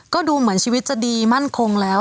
ก็ดูเหมือนชีวิตจะดีมั่นคงแล้ว